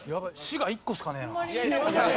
「師」が１個しかねえな。